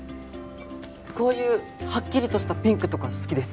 こういうはっきりとしたピンクとか好きです。